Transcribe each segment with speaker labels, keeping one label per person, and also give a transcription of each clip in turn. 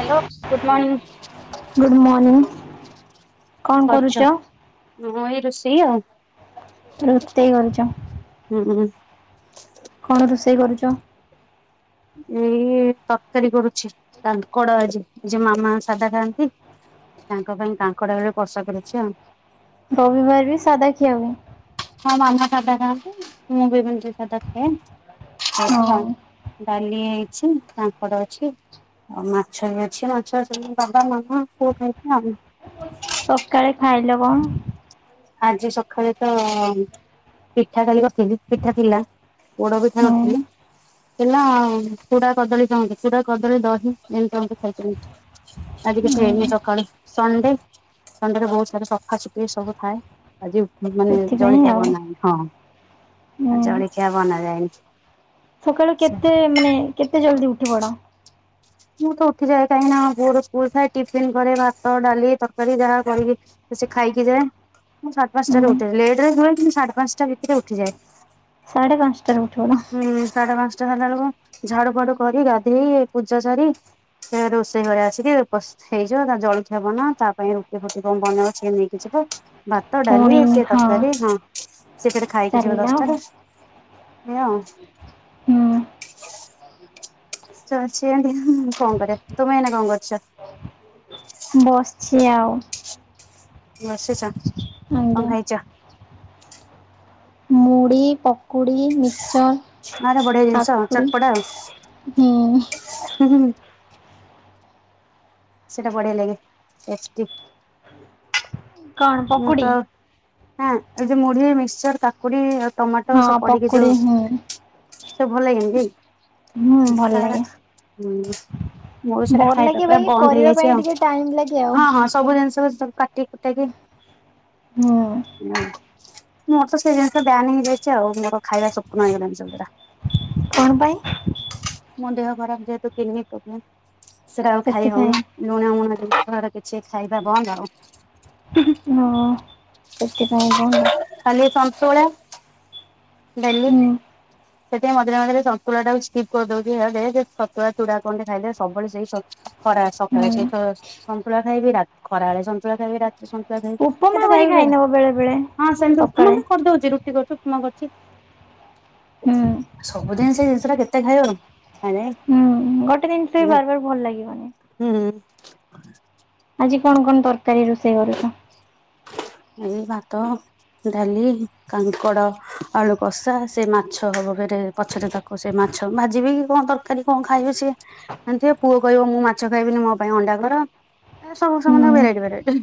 Speaker 1: Hello good
Speaker 2: good morning
Speaker 1: morning, କରୁଛ ମୁଁ ଏଇ ରୋଷେଇ ଆଉ।
Speaker 2: ରୋଷେଇ କରୁ ଚ।
Speaker 1: ହୁଁ ହୁଁ।
Speaker 2: କଣ ରୋଷେଇ କରୁଛ?
Speaker 1: ଏଇ ତରକାରୀ କରୁଛି, କାଙ୍କଡ଼ ଆଜି ଆଜି ମାମା ସାଧା ଖାଆନ୍ତି। ତାଙ୍କ ପାଇଁ କାଙ୍କଡ ଆଳୁ କଷା କରୁଛି ଆଉ।
Speaker 2: ରବିବାର ବି ସାଧା ଖିଆ ହୁଏ?
Speaker 1: ହଁ ମାମା ସାଧା ଖାଆନ୍ତି, ମୁଁ ବି ଏମତି ସାଧା ଖାଏ, ଏମତି ଆଉ।
Speaker 2: ହଁ
Speaker 1: ଡାଲି ହେଇଛି କାଙ୍କଡ ଅଛି। ଆଉ ମାଛ ବି ଅଛି, ମାଛ ବାବା ମାମା ପୁଅ ଖାଇବେ ଆଉ।
Speaker 2: ସକାଳେ ଖାଇଲେ କଣ?
Speaker 1: ଆଜି ସକାଳେ ତ ପିଠା କାଲି କରଥିଲି ପିଠା ଥିଲା। ପୋଡ଼ ପିଠା
Speaker 2: ହୁଁ
Speaker 1: କରଥିଲି। ଥିଲା ଆଉ ଚୁଡା କଦଳୀ କହନ୍ତି କୁଡା କଦଳୀ ଦହି ଯେମିତି ଏମିତି ସବୁ ଖାଇଛନ୍ତି। ଆଜି କିଛି ହେଇନି
Speaker 2: ହୁଁ
Speaker 1: ସକାଳେ ସଣ୍ଡେ ସଣ୍ଡେ ରେ ବହୁତ ସାରା ସଫାସୁଫି ସବୁ ଥାଏ। ଆଜି ମାନେ
Speaker 2: ସେଥିପାଇଁ
Speaker 1: ଜଳଖିଆ
Speaker 2: ଆଉ
Speaker 1: ବନାହେଇନି। ହଁ
Speaker 2: ହୁଁ
Speaker 1: ଆ ଜଳଖିଆ ବନାଯାଏନି।
Speaker 2: ସକାଳୁ
Speaker 1: ସେ
Speaker 2: କେତେ ମାନେ କେତେ ଜଲ୍ଦି ଉଠି ପଡ?
Speaker 1: ମୁଁ ତ ଉଠିଯାଏ କାହିଁକି ନା ପୁଅର ସ୍କୁଲ ଥାଏ ଟିଫନ୍ କରେ। ଭାତ ଡାଲି ତରକାରୀ ଯାହା କରିକି ସେ ଖାଇକି ଯାଏ। ମୁଁ ସାଢେ
Speaker 2: ହୁଁ
Speaker 1: ପାଞ୍ଚଟା ରେ ଉଠେ। ଲେଟ ରେ ଶୁଏ କିନ୍ତୁ ସାଢେ ପାଞ୍ଚଟା ଭିତରେ ଉଠିଯାଏ।
Speaker 2: ସାଢେ ପାଞ୍ଚଟାରେ ଉଠି ପଡ?
Speaker 1: ହୁଁ ସାଢେ ପାଞ୍ଚଟା ହେଲା ବେଳକୁ ଝାଡୁ ଫାଡୁ କରିକି ଗାଧେଇ ପୂଜା ସାରି ତପରେ ରୋଷେଇ କରେ ଆସିକି ପ ହେଇଯିବ ତା ଜଳଖିଆ ବନାଅ ତା ପାଇଁ ରୁଟି ଫୁଟି କଣ ବନେଇବ ସିଏ ନେଇକିଯିବ। ଭାତ ଡାଲି
Speaker 2: ପୁଣି
Speaker 1: ଏତେ
Speaker 2: ହଁ
Speaker 1: ତରକାରୀ ହଁ ସେ ଫେରେ ଖାଇକି ଯିବ
Speaker 2: ଚାଲିଲା ଆଉ
Speaker 1: ଦଶଟାରେ। ଏଇଆ ଆଉ।
Speaker 2: ହୁଁ।
Speaker 1: ଚାଲିଛି ଏମିତି କଣ କରିବା। ତମେ ଏଇନା କଣ କରୁଛ?
Speaker 2: ବସିଛି ଆଉ।
Speaker 1: ବସିଛ? କଣ
Speaker 2: ଆଜ୍ଞା।
Speaker 1: ଖାଇଛ?
Speaker 2: ମୁଡ଼ି ପ କୁଡ଼ି ମିକ୍ଚର
Speaker 1: ଆରେ ବଢିଆ ଜିନିଷ
Speaker 2: କାକୁଡ଼ି
Speaker 1: ଚଟପଟା ଆଉ
Speaker 2: ହି
Speaker 1: ହୁଁ ହୁଁ। ସେଟା ବଢିଆ ଲାଗେ। ଟେଷ୍ଟୀ।
Speaker 2: କ'ଣ
Speaker 1: ମୁଁ ତ
Speaker 2: ପକୁଡ଼ି
Speaker 1: ହଁ ଏ ଯୋଉ ମୁଢି ମିକ୍ସଚର କାକୁଡି ଆ ଟମାଟୋ
Speaker 2: ହଁ
Speaker 1: ସବୁ ପଡିକି
Speaker 2: ପକୁଡ଼ି
Speaker 1: ଯୋଉ
Speaker 2: ହୁଁ
Speaker 1: ସବୁ ଭଲ ଲାଗେନି କି?
Speaker 2: ହୁଁ ଭଲ ଲାଗେ।
Speaker 1: ମୋର ସେଟା
Speaker 2: ଭଲ
Speaker 1: ଖାଇବା
Speaker 2: ଲାଗେ
Speaker 1: ପୁରା
Speaker 2: ବାକି
Speaker 1: ବନ୍ଦ
Speaker 2: କରିବା
Speaker 1: ହେଇଯାଇଛି
Speaker 2: ପାଇଁ
Speaker 1: ଆଉ।
Speaker 2: ଟିକେ ଟାଇମ୍ ଲାଗେ ଆଉ।
Speaker 1: ହଁ ହଁ ସବୁ ଜିନିଷପା ସବୁ କାଟିି କୁଟାକି
Speaker 2: ହୁଁ।
Speaker 1: ହୁଁ ମୋର ତ ସେଇ ଜିନିଷ ବ୍ୟାନ ହେଇଯାଇଛି ଆଉ। ମୋର ଖାଇବା ସ୍ୱପ୍ନ ହେଇଗଲାଣି ସେଗୁରା।
Speaker 2: କଣ ପାଇଁ?
Speaker 1: ମୋ ଦେହ ଖରାପ ଯେହେତୁ କିଡନୀ ପ୍ରୋବ୍ଲେମ ସେରା ଆଉ ଖାଇ
Speaker 2: ସେଥିପାଇଁ
Speaker 1: ହଉନି। ଲୁଣମୁଣର ବାହାର କିଛି ଖାଇବା ବନ୍ଦ ଆଉ।
Speaker 2: ହଁ ସେଥିପାଇଁ ବନ୍ଦ।
Speaker 1: ଖାଲି ସନ୍ତୁଳା ଡାଲି।
Speaker 2: ହୁଁ
Speaker 1: ସେଥିପାଇଁ ମଝିରେ ମଝିରେ ସନ୍ତୁଳାଟାକୁ ସ୍କିପ୍ କରିଦଉଛି ହେ ଦେ ଛତୁଆ ଚୁଡା କଣ ଟିକେ ଖାଇଦେ ସବୁଳେ ସେଇ ସ ଖରାବେଳେ ସକାଳେ
Speaker 2: ହୁଁ
Speaker 1: ସେଇ ଛ ସନ୍ତୁଳା ଖାଇବି ରାତି ଖରାବେଳେ ସନ୍ତୁଳା ଖାଇବି ରାତି। ସନ୍ତୁଳା ଖାଇବି
Speaker 2: ଉପମା
Speaker 1: କେତେ
Speaker 2: କରି
Speaker 1: ଖାଇବ
Speaker 2: ଖାଇନବ ବେଳେ ବେଳେ।
Speaker 1: ହଁ ସେମିତି
Speaker 2: ସକାଳେ
Speaker 1: କରିଦଉଛି ରୁଟି କରୁୁ। ଉପମା କରଛି
Speaker 2: ହୁଁ
Speaker 1: ସବୁଦିନ ସେଇ ଜିନିଷଟା କେ। କେତେ ଖାଇବା ଖାଇ
Speaker 2: ହୁଁ ଗୋଟେ ଜିନିଷ ବି ବାର ବାର ଭଲ ଲାଗିବାନି।
Speaker 1: ହୁଁ ହୁଁ।
Speaker 2: ଆଜି କଣ କଣ ତରକାରୀ ରୋଷେଇ କରୁଛ।
Speaker 1: ଆଜି ଭାତ ଡାଲି କାଙ୍କଡ଼। ଆଳୁ କଷା ସେ ମାଛ ହବ ଫେରେ ପଛରେ ତାକୁ ସେ ମାଛ ଭାଜିବି କଣ ତରକାରୀ କଣ ଖାଇବେ ସେ। ଏମତି ପୁଅ କହିବ ମୁଁ ମାଛ ଖାଇବିନି ମୋ ପାଇଁ ଅଣ୍ଡା କର ସବୁ
Speaker 2: ହୁଁ
Speaker 1: ସମସ୍ତଙ୍କ ଭେରାଇଟି ଭେରାଇଟି।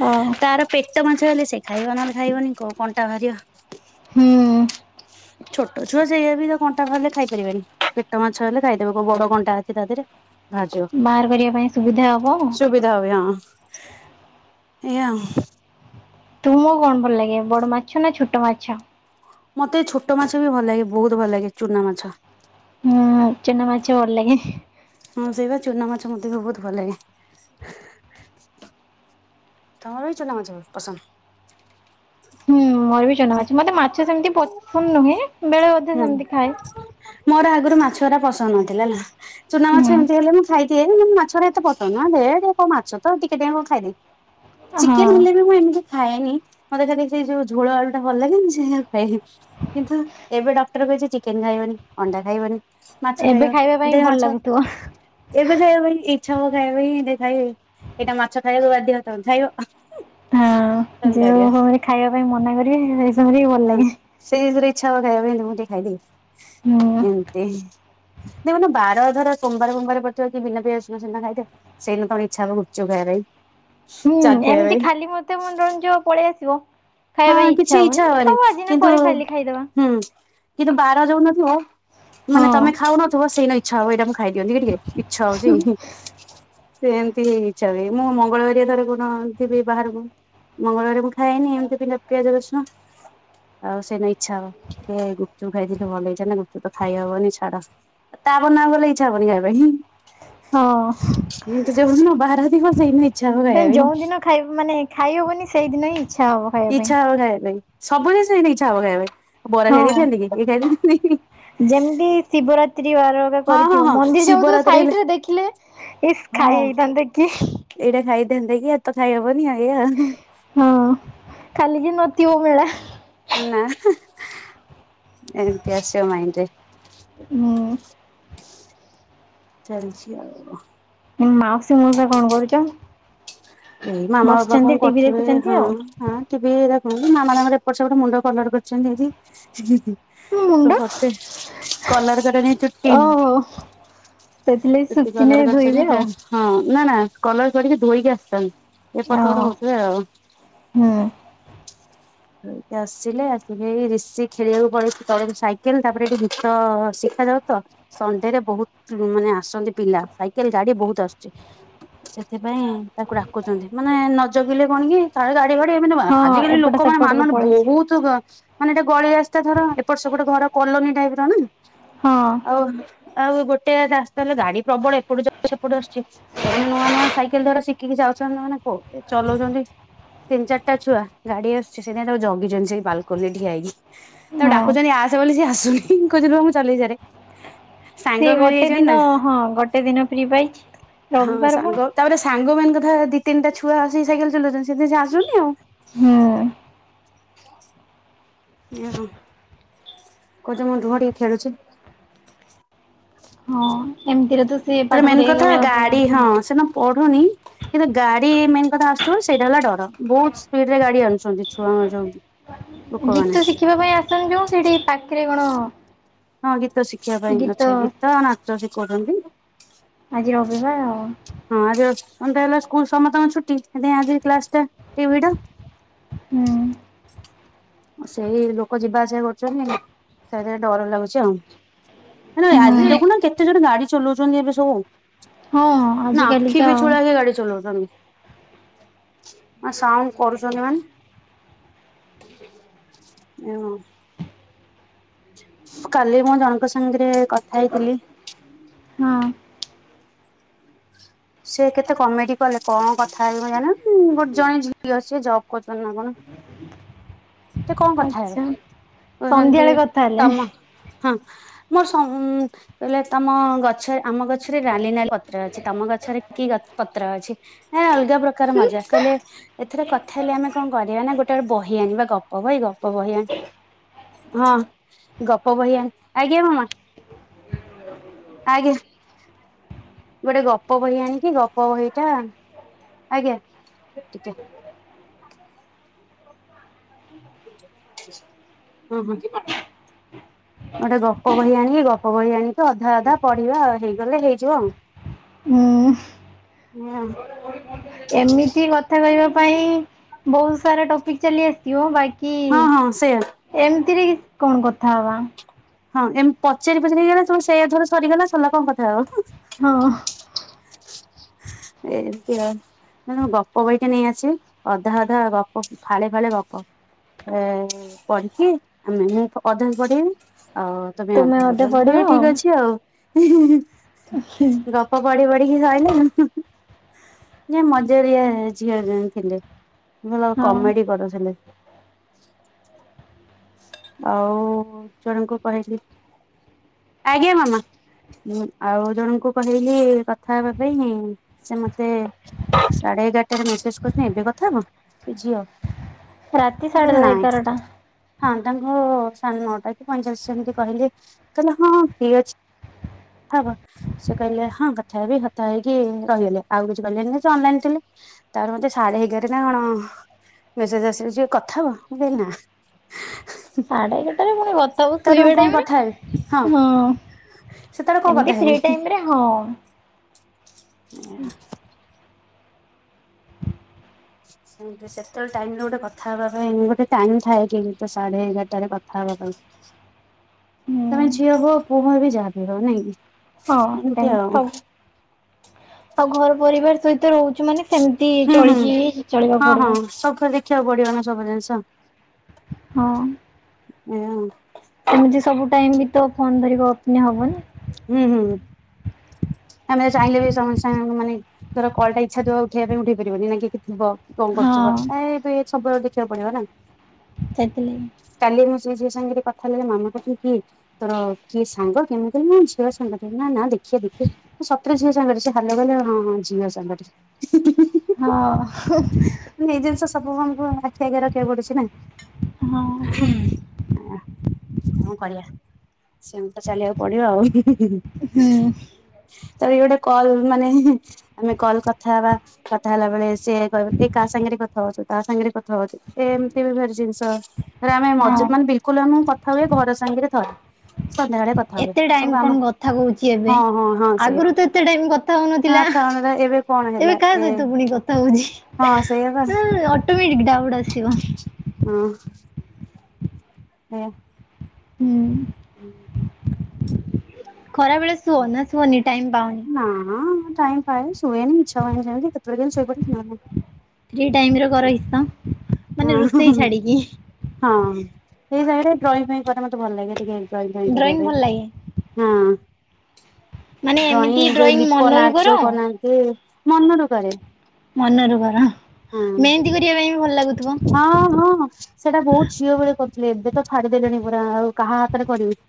Speaker 2: ହଁ
Speaker 1: ତାର ପେଟ ମାଛ ହେଲେ ସେ ଖାଇବ ନହେଲେ ଖାଇବନି କୋଉ କଣ୍ଟା ବାହାରିବ।
Speaker 2: ହୁଁ।
Speaker 1: ହ ଛୋଟ ଛୁଆ ସେ ବିତ କଣ୍ଟା ବାହାରଲେ ଖାଇ ପାରିବେନି ପେଟ ମାଛ ହେଲେ ଖାଇଦେବେ କୋଉ ବଡ କଣ୍ଟା ଅଛି ତା ଦେହରେ। ଭାଜିବ
Speaker 2: ବାହାର କରିବା ପାଇଁ ସୁବିଧା ହବ।
Speaker 1: ଏଆ।
Speaker 2: ତୁମକୁ କଣ ଭଲ ଲାଗେ ବଡ ମାଛ ନା ଛୋଟ ମାଛ?
Speaker 1: ମତେ ଛୋଟ ମାଛ ବି ଭଲ ଲାଗେ ବୋହୁତ୍ ଭଲ ଲାଗେ। ଚୁନା ମାଛ।
Speaker 2: ହୁଁ ଚୁନା ମାଛ ଭଲ ଲାଗେ।
Speaker 1: ହଁ ସେଇ ବା ଚୁନା ମାଛ ମତେ ବି ବୋହୁତ୍ ଭଲ ଲାଗେ। ତମର ବି ଚୁନା ମାଛ ପସନ୍ଦ?
Speaker 2: ହଁ ମୋର ବି ଚୁନା ମାଛ ମତେ ମାଛ ସେମିତି ପସନ୍ଦ ନୁହେଁ, ବେଳେ ଅଧେ
Speaker 1: ହୁଁ
Speaker 2: ସେମିତି ଖାଏ।
Speaker 1: ମୋର ଆଗରୁ ମାଛରା ପସନ୍ଦ ନଥିଲା ହେଲା ଚୁନା ମାଛ
Speaker 2: ହୁଁ
Speaker 1: ଏମିତି ହେଲେ ଖାଇକି ଆଇଲି ମୁଁ କହିଲି ମାଛ ରା ଏତେ ପସନ୍ଦ ନୁହେ, ଦେ ମାଛ ତ ଦେ ଟିକେ ଖାଇଦିଏ।
Speaker 2: ହଁ
Speaker 1: ଚିକେନ୍ ହେଲେ ବି ମୁଁ ଏମିତି ଖାଏନି ମୋତେ ଦେଖି ସେ ଯୋଉ ଝୋଳ ଆଳୁ ଟା ଭଲ ଲାଗେ ସେ ପାଇଁ କିନ୍ତୁ ଏବେ ଡକ୍ଟର କଛ ଚିକେନ ଖାଇବନି ଅଣ୍ଡା ଖାଇବନି। ମାଛ
Speaker 2: ଏବେ
Speaker 1: ଖାଇବ,
Speaker 2: ଖାଇବା ପାଇଁ
Speaker 1: ଦେ
Speaker 2: ଭଲ
Speaker 1: ମାଛ।
Speaker 2: ଲାଗୁଥିବ।
Speaker 1: ଏବେ ଖାଇବା ପାଇଁ ଇଚ୍ଛା ହବ ଖାଇବା ପାଇଁ ଖାଇବେ ଏଇଟା ମାଛ ଖାଇବାକୁ ବାଧ୍ୟ ହ ଖାଇବା।
Speaker 2: ହଁ ଯଉ ହଉ ଖାଇବା ପାଇଁ ମନା କରିବ
Speaker 1: ହଁ ସେଇ ଥିରେ ଇଛା ହବା ଖାଇବା ପାଇଁ ମୁଁ ଟିକ
Speaker 2: ହୁଁ
Speaker 1: ଖାଇଦିଏ ଏମିତି। ଦେଖ ବାର ଅନୁସାରେ ସୋବାର ସୋମାର କରିଥିବ କି ବିନା ପିଆଜ ରସୁଣ ସିନା ଖାଇଥାଏ। ସେଇନା ପୁଣି ଇଛା ହବ ଗୁପ୍ ଚୁପ୍ ଖାଇବା ପାଇଁ।
Speaker 2: ହୁଁ
Speaker 1: ଚାଟ୍ ଖାଇବା
Speaker 2: ଏମିତି
Speaker 1: ପାଇଁ
Speaker 2: ଖାଲି ମତେ ମନୋରଞ୍ଜ ପଳେଇ ଆସିବ। ଖାଇବା ପାଇଁ
Speaker 1: ହଁ
Speaker 2: ଇଚ୍ଛା
Speaker 1: କିଛି ହବନି
Speaker 2: ଥାଉ ଆଜି ନା
Speaker 1: କିନ୍ତୁ
Speaker 2: ପରେ ଖାଲି ଖାଇଦବା
Speaker 1: ହୁଁ କିନ୍ତୁ ବାର ଯାଉନଥିବ ମାନେ
Speaker 2: ହଁ।
Speaker 1: ତମେ ଖାଉନଥିବ ସେଇ ନା ଇଚ୍ଛା ହବ ଏଇଟା ମୁଁ ଖାଇ ଦିଅନ୍ତି କି ଟିକେ ଇଚ୍ଛା ହଉଛି। ସେ ଏମିତିଇ ଇଚ୍ଛା ହୁଏ ମୁଁ ମଙ୍ଗଳବାରିଆ ଥରେ କୋଉ ଦିନ ଆଣିଥିବି ବାହାରକୁ ମଙ୍ଗଳବାର ମୁଁ ଖାଏନି ଏମିତି ବିନା ପିଆଜ ରସୁଣ। ଆଉ ସେଇ ଇଚ୍ଛା ହବ ଗୁପ୍ ଚୁପ୍ ଖାଇିକି ଭଲ ହେଇଥାନ୍ତା। ଗୁପ୍ ଚୁପ୍ ତ ଖାଇ ହବନି ଛାଡ। ତା ପର ଦିନ ଆଉ ଗଲେ ଇଚ୍ଛା ହବନି ଖାଇବା ପାଇଁ।
Speaker 2: ହଁ ଯୋଉ
Speaker 1: [unintelligible]
Speaker 2: ଦିନ ଖାଇ ମାନେ ଖାଇହବନି ସେଇଦିନ ହିଁ ଇଚ୍ଛା ହବ। ଖାଇବା ପାଇଁ
Speaker 1: ଇଛା ହବ ଖାଇବା ପାଇଁ। ସବୁ ଜିନ୍ସ୍ ଏଇନା ଇଚ୍ଛା ହବ ଖାଇବା ପାଇଁ ବରା ଖାଇ
Speaker 2: ହଁ।
Speaker 1: ଦେଇେଇଥାନ୍ତି କି ଖାଇ
Speaker 2: ଯେମିତି ଶିବରାତି ଆର
Speaker 1: ହଁ ହଁ
Speaker 2: କରିଥିବ
Speaker 1: ହଁ
Speaker 2: ମନ୍ଦିର ଯାଉଥିବ
Speaker 1: ଶିବରାତ୍ରି ହେଲେ
Speaker 2: ସାଇଡ ରେ ଦେଖିଲେ ଇ ଖାଇ ହେଇ
Speaker 1: ହଁ
Speaker 2: ହେଇ ଥାନ୍ତା କି।
Speaker 1: ଏଇଟା ଖାଇଥାନ୍ତେ କି ଏ ତ ଖାଇହବନି ଏଇୟା।
Speaker 2: ହଁ କାଲି କି ନତିବ ମେଳା।
Speaker 1: ନା ନା ଏମିତି [unintelligible]
Speaker 2: ହଁ।
Speaker 1: ଚାଲିଛି ଆଉ।
Speaker 2: ମାଉସୀ ମଉସା କଣ କରୁଛ
Speaker 1: ଏଇ ମାମା ବାପା
Speaker 2: ବସିଛନ୍ତି
Speaker 1: କଣ
Speaker 2: ଟିଭି
Speaker 1: କରୁଥିବେ
Speaker 2: ଦେଖୁଛନ୍ତି
Speaker 1: ହଁ।
Speaker 2: ଆଉ
Speaker 1: ହଁ ଟିଭି ଦେଖନ୍ତୁ ମାମା ତାଙ୍କର ଏପଟ ସେପଟ ମୁଣ୍ଡ କଲର କରିଛନ୍ତି ଆଜି।
Speaker 2: ମୁଣ୍ଡ
Speaker 1: ତତେ କଲର କରେନି ଚୁଟି
Speaker 2: ଓହୋ ସେଥିଲାଗି
Speaker 1: ଚୁଟି
Speaker 2: ଶୁଖିନେ
Speaker 1: କଲର୍
Speaker 2: ଧୋଇବେ
Speaker 1: କରିଛନ୍ତି।
Speaker 2: ଆଉ
Speaker 1: ହଁ ନା ନା କଲର କରିକି ଧୋଇକି ଆସିଚନ୍ତି ଏପଟ
Speaker 2: ଓ
Speaker 1: ସେପଟ ହଉଥିବେ ଆଉ।
Speaker 2: ହୁଁ।
Speaker 1: ହେଇଟି ଆସିଲେ ଆସିକି ରିଷି ଖେଳିବାକୁ ପଳେଇଚି ତଳେ ସାଇକେଲ ତାପରେ ଏଠି ଗୀତ ଶିଖାଯାଉଚି ତ। ସଣ୍ଡେରେ ବହୁତ୍ ମାନେ ଆସନ୍ତି ପିଲା ସାଇକେଲ ଗାଡି ବହୁତ ଆସୁଚି। ସେଥିପାଇଁ ତାକୁ ଡାକୁଚନ୍ତି ମାନେ ନ ଜଗିଲେ କଣ କି। କାଳେ ଗାଡି ଫାଡି ଏମାନେ ମା
Speaker 2: ହଁ
Speaker 1: ଆଜିକାଲି
Speaker 2: ଏପଟ
Speaker 1: ଲୋକମାନେ ମାନୁ
Speaker 2: ସେପଟକୁ
Speaker 1: ନାହାନ୍ତି
Speaker 2: ପଳେଇଛି
Speaker 1: ବହୁତ୍। ତୁ ଗ ମାନେ ଏଟା ଗଳି ରାସ୍ତା ଧର ଏପଟ ସେପଟ ଘର କଲୋନୀ ଟାଇପ ର ନା।
Speaker 2: ହଁ।
Speaker 1: ଆଉ ଆଉ ଗୋଟେ ରାସ୍ତା ହେଲେ ଗାଡି ପ୍ରବଳ ଏପଟୁ ଯାଉଚି ସେପଟେ ଆସୁଛି। ଏମାନେ ନୂଆ ନୂଆ ସାଇକେଲ ଦ୍ଵାରା ଶିଖିକି ଯାଉଛନ୍ତି ମାନେ କୋ ଏ ଚଲଉଛନ୍ତି ତିନ ଚାରିଟା ଛୁଆ ଗାଡି ଆସ ଚି ସେ ସେଥିପାଇଁ ତାକୁ ଜଗିଚନ୍ତି ସେଇ ବାଲକୋନିରେ ଠିଆ ହେଇକି ତାକୁ
Speaker 2: ହଁ
Speaker 1: ଡାକୁଛନ୍ତି ଆ ସେ କହିଲେ କି ଆସୁନି କହୁଚି ରୁହ ମୁଁ ଚଲେଇସାରେ।
Speaker 2: ସେଏ ଗୋଟେ ଦିନ ହଁ ଗୋଟେ ଦିନ ଫ୍ରି ପାଇଛି
Speaker 1: ହଁ
Speaker 2: ରବିବାର
Speaker 1: ସାଙ୍ଗ
Speaker 2: ପୁଣି।
Speaker 1: ତାପରେ ସାଙ୍ଗ ମାନଙ୍କ କଥା ଦି ତିନଟା ଛୁଆ ଆସି ସାଇକେଲ ଚଲଉଛନ୍ତି ସେଥିପାଇଁ ସେ ଆସୁନି ଆଉ।
Speaker 2: ହୁଁ।
Speaker 1: [inaudible] ନା କହୁଚି ମୁଁ ରୁହ ଟିକେ ଖେଳୁଛି।
Speaker 2: ହଁ ଏମତିରେ ତ। ସେ
Speaker 1: ହେଥେରେ
Speaker 2: ପାଠ
Speaker 1: ମେନ୍ କଥା
Speaker 2: ପଢିବାକୁ ଆଉ
Speaker 1: ଗାଡି
Speaker 2: ପଳାନ୍ତି
Speaker 1: ହଁ ସେ ନା ପଢୁନି କିନ୍ତୁ ଗାଡି ମେନ୍ କଥା ଆସୁଚି ବୋଲି ସେଇଟା ହେଲା ଡର ବହୁତ ସ୍ପିଡ ରେ ଗାଡି ଆଣୁଛନ୍ତି। ଛୁଆଙ୍କ ଯୋଗୁ ଲୋକମାନେ।
Speaker 2: ସେମାନେ ଯୋଉ ସେଠି ପାଖରେ କଣ।
Speaker 1: ହଁ ଗୀତ ଶିଖିବା ପାଇଁ ଅଛେ ଗୀତ ଆଉ ନାଚ ଶିଖଉଛନ୍ତି।
Speaker 2: ଆଜି ରବିବାର ଆଉ।
Speaker 1: ହଁ ଆଜି ର ସଣ୍ଡେ ହେଲା ସ୍କୁଲ ସମସ୍ତଙ୍କ ଛୁଟି ହେଥିପାଇଁ ଆଜି କ୍ଲାସ ଟା ଟିଭି ଟା।
Speaker 2: ହୁଁ।
Speaker 1: ସେଇ ଲୋକ ଯିବା ଆସିବା କରୁଚନ୍ତି ସେଇଥିପାଇଁ ଡର ଲାଗୁଛି ଆଉ। ନାଇଁ ତମେ ଆଜି
Speaker 2: ହୁଁ
Speaker 1: ଦେଖୁନ କେତେ ଜୋରେ ଗାଡି ଚଲଉଚନ୍ତି ଏବେ ସବୁ।
Speaker 2: ହଁ
Speaker 1: ନା ଆଖି
Speaker 2: ଆଜିକାଲିକା ଆଉ
Speaker 1: ପିଚ୍ଛୁଳା କେ ଗାଡି ଚଲଉଛନ୍ତି। ଆ ସାଉଣ୍ଡ କରୁଚନ୍ତି ମାନେ। ଏ ହଁ। କାଲି ମୁଁ ଜଣଙ୍କ ସାଙ୍ଗରେ କ
Speaker 2: ହେଇ ଗଲି ହଁ।
Speaker 1: ସେ କେତେ କମେଡି କଲେ କଣ କଥା ହେବି ମୁଁ ଜାଣିନି ଉଁ ଗୋଟ ଜଣେ ଝିଅ ସେ ଜବ୍ କରୁଛନ୍ତି ନା କଣ। ସେ କଣ କଥା ହେବେ
Speaker 2: ଆଚ୍ଛା।
Speaker 1: କହୁଛନ୍ତି
Speaker 2: ସନ୍ଧ୍ୟାବେଳେ କଥା ହେଲେ
Speaker 1: ତମ। ହଁ। ମୋ ସଙ୍ଗ କହିଲ ତମ ଗଛରେ ଆମ ଗଛରେ ନାଲି ନାଲି ପତ୍ର ଅଛି ତମ ଗ ଛରେ କି ଗ ପତ୍ର ଅଛି ଏ ଅଲଗା ପ୍ରକାର ମଜା କହିଲେ। ଏଥେରେ କଥା ହେଲେ ଆମେ କଣ କରିବା ନା ଗୋଟାଏ ବହି ଆଣିବା ଗପ ବହି ଗପ ବହି ଆଣି। ହଁ ଗପ ବହି ଆଣ ଆଜ୍ଞା ମାମା। ଆଜ୍ଞା। ଗୋଟେ ଗପ ବହି ଆଣିକି ଗପ ବହି ଟା ଆଜ୍ଞା ଟିକେ। ହଁ ହଁ। ଗୋଟେ ଗପ ବହି ଆଣିକି ଗପ ବହି ଆଣିକି ଅଧା ଅଧା ପଢିବା ଆଉ ହେଇଗଲେ ହେଇଯିବ ଆଉ।
Speaker 2: ହୁଁ।
Speaker 1: [inaudible]
Speaker 2: ଏମିତି କଥା କହିବା ପାଇଁ, ବହୁତ ସାରା ଟପିକ ଚାଲି ଆସିଥିବ। ବାକ
Speaker 1: ହଁ, ହଁ, ସେଆ।
Speaker 2: ଏମିତିରେ କି, କଣ କଥା ହବା?
Speaker 1: ହଁ। ଏମିତି ପଚାରି ପଚାରି ହେଇଗଲା। ତୁ ସେୟାଥରେ ସରିଗଲା। ସରିଲା କଣ କଥା ହବ?
Speaker 2: ହଁ।
Speaker 1: ଏମତି ଆଉ। ନାଁ ଗପ ବହିଟା ନେଇଆସିବି। ଅଧା ଅଧା ଗପ। ଫାଳେ ଫାଳେ ଗପ। ଏ ପଢିକି ଆମେମାନେ ଅଧା ପଢେଇବି। ଆଉ ତମେ
Speaker 2: ତୁମେ
Speaker 1: ଅଧା
Speaker 2: ମତେ
Speaker 1: ପଢ଼ିବ। ମୁଁ
Speaker 2: ପଢିବ
Speaker 1: କହିଲି ଠିକ ଅଛି ଆଉ। ହି, ହିଁ, ଗ ଗପ ପଢି ପଢିକି ସରିଲ। ମଜାଳିଆ ଝିଅ ଜଇଁ ଥିଲେ। ଭଲ
Speaker 2: ହଉ
Speaker 1: କମେଡି କରୁଥିଲେ। ଆଉ ଜଣଙ୍କୁ କହିଲି ଆଜ୍ଞା, ମାମା। ଉଁ ଆଉ ଜଣଙ୍କୁ କହିଲି କଥା ହେବା ପାଇଁ। ସେ ମତେ ସାଢେ ଏଗାରଟାରେ ମେସେଜ କରିଥିଲେ, ଏବେ କଥା ହବ। ସେ ଝିଅ।
Speaker 2: ରାତି
Speaker 1: ମୁଁ
Speaker 2: ସାଢ଼େ
Speaker 1: କହିଲି
Speaker 2: ଦ
Speaker 1: ନାଇଁ
Speaker 2: ଏଗାରଟା।
Speaker 1: ହଁ। ତାଙ୍କ ସାଢ଼େ ନଅଟା କି ପଇଁଚାଳିଶ ଯେମିତି କହିଲେ। କହିଲେ ହଁ ଫି ଅଛି। କଥା ହବ। ସେ କହିଲେ ହଁ କଥା ହେବି। କଥା ହେଇକି ରହିଗଲେ। ଆଉ କିଛି କହିଲେନି। ଅନଲାଇନ ଥିଲେ। ତାର ମତେ ସାାଢେ ଏଗାରେ ନା କଣ? ମେସେଜ ଆସିଯାଇଛି। କଥା ହବ। ମୁଁ କହିଲି ନା।
Speaker 2: ସାଢେ ଏଗାରଟାରେ, ପୁଣି ଗ ଆଊ
Speaker 1: ତାପରେ
Speaker 2: ଶୋଇବା
Speaker 1: ମୁଁ କଣ କଥା ହେବି
Speaker 2: ଟାଇମ। ହଁ।
Speaker 1: ସେତେବେଳେ କୋଉ କଥା
Speaker 2: ଏମତି
Speaker 1: ହେବି।
Speaker 2: ଫି ଟାଇମରେ। ହଁ,
Speaker 1: [inaudible] ହୁଁ। [inaudible] ସେତେବେଳେ ଟାଇମ ର ଗୋଟେ କଥା ହବା ପାଇଁ। ଗୋଟେ ଟାଇମ ଥାଏ କି? ଗୀତ ସାଢ଼େ ଏଗାରଟାରେ କଥା ହେବା ପାଇଁ।
Speaker 2: ହୁଁ
Speaker 1: ତମେ ଝିଅ ହୁଅ। ପୁଅ ବି, ଯାହା ହୁଅ ନାଇଁକି।
Speaker 2: ହଁ। ସେମିତି ସବୁ। ଆଉ ଘର ପରିବାର ସହିତ ରହୁଛୁ ମାନେ, ସେମ ତି
Speaker 1: ହୁଁ ହୁଁ।
Speaker 2: ଚଳିକି ହିଁ ଚଳିବାକୁ ପଡିବ।
Speaker 1: [unintelligible] ଦେଖିବାକୁ ପଡିବ ନା ସବୁ ଜିନିଷ।
Speaker 2: ହଁ।
Speaker 1: ହଁ। [inaudible]
Speaker 2: ସେମିତି ସବୁ ଟାଇମ ବି ତ, ଫୋନ ଧରିକି ଗପିନ ହବନି।
Speaker 1: ହୁଁ, ହୁଁ। ଆମେ ଚାହିଁଲେ ବି ସମସ୍ତ ସାଙ୍ଗମାନେ ଧର କଲ ଟା ଇଚ୍ଛା ଥିବ ଉଠେଇବା ପାଇଁ। ଉଠେଇ ପାରିବନି, ନା କିଏ ଥିବ। କଣ କରୁଥିବ।
Speaker 2: ହଁ
Speaker 1: ଏ ଏବେ ସବୁବେଳେ ଦେଖିବାକୁ ପଡିବ ନା।
Speaker 2: ତାଇତେଲି। [unintelligible]
Speaker 1: କାଲି ମୁଁ ସେ ଝିଅ ସାଙ୍ଗରେ କଥା ହେଲି। ମାମା କହୁଛି କିଏ? ତୋର କିଏ ସାଙ୍ଗ କେମିତି? ମୋ ଝିଅ ସାଙ୍ଗଟିଏ। ନାଁ ନାଁ ଦେଖିଆ ଦେଖିଆ। ସତରେ ଝିଅ ସାଙ୍ଗରେ ହାଲ ଭଲ। ହଁ ହଁ। ଝିଅ ସାଙ୍ଗରେ।
Speaker 2: ହଁ।
Speaker 1: ଏଇ ଜିନିଷ ସବୁ, ଆମକୁ ଆଖି ଆଗିଆ ରଖିବାକୁ ପଡୁଛି ନା।
Speaker 2: ହଁ
Speaker 1: କଣ କରିବା। ସେମିତି ତ ଚାଲିବାକୁ ପଡିବ ଆଉ।
Speaker 2: ହୁଁ।
Speaker 1: ଆରେ ଗୋଟେ କଲ୍ ମାନେ ଆମେ କଲ କଥା ହେବା। କଥା ହେଲା ବେଳେ, ସିଏ କହିବ ଏ କାହା ସାଙ୍ଗରେ କ ହଉ ତା ସାଙ୍ଗରେ କଥା ହଉଛି। ଏ ଏମିତି ଭାରି ଜିନିଷ ଏରେ ଆମେ
Speaker 2: ହଁ
Speaker 1: ମଜିଦ୍ ମାନେ ବିଲ୍ କୁଲ୍ ଆମେ କଥା ହୁଏ, ଘର ସାଙ୍ଗରେ ଥରେ ସନ୍ଧ୍ୟାବେଳେ କଥା ହୁଏ
Speaker 2: ଏତେ ଟାଇମ
Speaker 1: ସବୁ
Speaker 2: କଣ
Speaker 1: କାମ,
Speaker 2: କଥା କହୁଛି ଏବେ
Speaker 1: ହଁ ହଁ।
Speaker 2: ଆଗରୁ ତ ଏତେ ଟାଇମ କଥା ହଉନଥିଲ।
Speaker 1: ଏବେ ଏବେ କଣ? ହେଲା
Speaker 2: ଏବେ କାହା
Speaker 1: ଏ
Speaker 2: ସହିତ ପୁଣି କଥା ହଉଛି?
Speaker 1: ହଁ ସେଇଆ
Speaker 2: ଉମ୍ ଅଟୋମିକ୍ ଡାଉଟ୍ ଆସିବ।
Speaker 1: ହୁଁ। ହଁ।
Speaker 2: ହୁଁ।
Speaker 1: ନା।
Speaker 2: ଖରା ବେଳେ ଶୁଅ ନା ଶୁଅନି ଟାଇମ ପାଅନି
Speaker 1: ନା ଆ ଟାଇମ୍ କାଇ ଶୁଏନି ଇଚ୍ଛା ହୁଏନି ସେମିତି କେତେବେଳେ କେମିତି ଶୋଇପଡ଼େ, ନହେଲେ ନାଇ।
Speaker 2: ଫ୍ରି ଟାଇମ୍ ରେ କର କିସ?
Speaker 1: ହଁ
Speaker 2: ମାନେ ରୋଷେଇ ଛାଡିକି।
Speaker 1: ହଁ ଫ୍ରି ଟାଇମ୍ ରେ ଡ୍ରଇଂ ଫ୍ରଇଂ କରେ, ମତେ ଭଲ ଲାଗେ ଟିକେ ଡ୍ରଇଂ ଫ୍ରଇଂ କରିବା ପାଇଁ।
Speaker 2: ଭଲ ଲାଗେ
Speaker 1: ହଁ।
Speaker 2: ମାନେ
Speaker 1: ଡ୍ରଇଂ
Speaker 2: ଏମିତି
Speaker 1: ଏଇ ଯୋଉ ଲିପନ୍
Speaker 2: ମନରୁ
Speaker 1: ଆର୍ଟ
Speaker 2: କର
Speaker 1: ଯୋଉ ବନାନ୍ତି, ମନରୁ କରେ।
Speaker 2: ମନରୁ କର
Speaker 1: ହଁ।
Speaker 2: ମେହେନ୍ଦି କରିବା ପାଇଁ ବି ଭଲ ଲାଗୁଥିବ।
Speaker 1: ହଁ ହଁ ସେଇଟା ବହୁତ ଝିଅ ବଳେ କରୁଥିଲେ ଏବେ ତ ଛାଡିଦେଲେଣି ପୁରା। ଆଉ କାହା ହାତରେ କରିବି?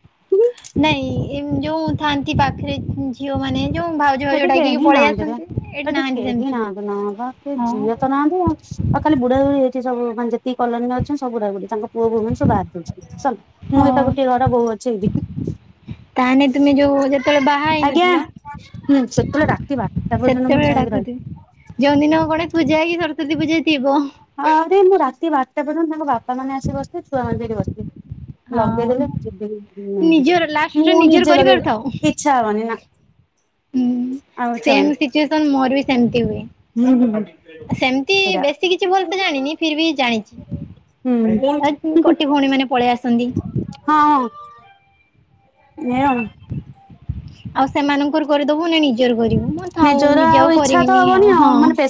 Speaker 2: ନାଇଁ ଏମ୍ ଯୋଉ ଥାଆନ୍ତି ପାଖରେ ଝିଅ ମାନେ ଯୋଉ ଭାଉଜ ଭାଉଜ
Speaker 1: ସେଠି
Speaker 2: ଡାକିକି
Speaker 1: କେହି
Speaker 2: ପଳେଇ
Speaker 1: ନାହାନ୍ତିରେ
Speaker 2: ଆସନ୍ତି ଏଠି ନାହାନ୍ତି ସେମିତି।
Speaker 1: ସେ
Speaker 2: ହଁ
Speaker 1: ଝିଅ ତ ନାହାନ୍ତି ଆଉ। ଆଉ ଖାଲି ବୁଢ଼ାବୁଢୀ ହେଇଛି ସବୁ ମାନେ ଯେତିକି କୋଲୋନୀ ରେ ଅଛନ୍ତି ସବୁ ବୁଢ଼ାବୁଢୀ ତାଙ୍କ ପୁଅ ବୋହୁ ମାନେ ସବୁ ବାହାରେ ରହୁଛନ୍ତି ସଲା। ମୁଁ
Speaker 2: ହଁ
Speaker 1: ଏକା ଗୋଟିଏ ଘରର ବୋହୁ ଅଛି ଏଇଠି।
Speaker 2: ତାହାନେ ତୁମେ ଯୋଉ ଯେତେବେଳେ ବାହା
Speaker 1: ଆଜ୍ଞା
Speaker 2: ହେଇନଥିଲ
Speaker 1: ହୁଁ ସେତେବେଳେ ରାତି ବା
Speaker 2: ସେତେବେଳେ ଡାକୁଥିବ ଯୋଉଁ ଦିନ କଣେ ପୂଜା କି ସରସ୍ଵତୀ ପୂଜା ଥିବ।
Speaker 1: ଆରେ ମୁଁ ରାତି ବାରଟା ପର୍ଯ୍ୟନ୍ତ ତାଙ୍କ ବାପା ମାନେ ଆସିି ବସିଥିବ। ଛୁଆ ମାନ ସେଠି ବସିିଥିବେ।
Speaker 2: ହଁ
Speaker 1: ଲଗେଇଦେଲେ ମୁ ଯିବି,
Speaker 2: ନିଜର
Speaker 1: [inaudible]
Speaker 2: ଲାଷ୍ଟରେ
Speaker 1: ମୁଁ
Speaker 2: ନିଜର
Speaker 1: ନିଜେ
Speaker 2: କରିପାରୁଥାଉ
Speaker 1: ଲଗେଇବି ଇଚ୍ଛା ହବନି ନା। ଆଉ
Speaker 2: ହୁଁ
Speaker 1: ଇଚ୍ଛା
Speaker 2: ସେମ୍
Speaker 1: ହବନି
Speaker 2: ସିଚୁଏସନ ମୋର ବି ସେମତି ହୁଏ।
Speaker 1: ହୁଁ ହୁଁ ହୁଁ।
Speaker 2: ସେମିତି
Speaker 1: ଏଇଟା
Speaker 2: ବେଶୀ କିଛି ଭଲ
Speaker 1: ହୁଁ
Speaker 2: ସେ ଜାଣିନି ଫିର ବି ଜାଣି
Speaker 1: ହୁଁ
Speaker 2: ଆଉ ଫୁଣି କୋଟି ଭଉଣୀ ମାନେ ପଳେଇ ଆସନ୍ତି।
Speaker 1: ହଁ ହଁ। [unintelligible]
Speaker 2: ଆଉ ସେମାନଙ୍କର କରିଦବୁ ନା ନିଜର କରିବୁ। ମୁଁ ଥାଉ
Speaker 1: ନିଜର
Speaker 2: ନିଜେ ଆଉ
Speaker 1: ଇଚ୍ଛା ତ
Speaker 2: କରିବିନି
Speaker 1: ହବନି
Speaker 2: ଆଉ, ହଁ।
Speaker 1: ମାନେ ପେସା